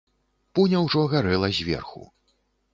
Пуня ўжо гарэла зверху.